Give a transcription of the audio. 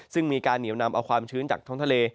ซึ่งมีการเหนียวนำเอาความชื้นจากท้องทะเล